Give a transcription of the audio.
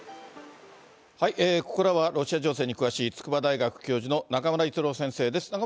ここからはロシア情勢に詳しい筑波大学教授の中村逸郎先生です。